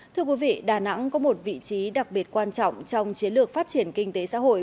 thưa quý vị đà nẵng có một vị trí đặc biệt quan trọng trong chiến lược phát triển kinh tế xã hội